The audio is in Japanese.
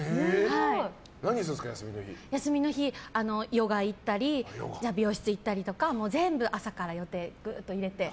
ヨガ行ったり美容室行ったりとか全部朝から予定を入れて。